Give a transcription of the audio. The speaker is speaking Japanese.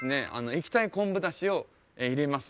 液体昆布だしを入れます。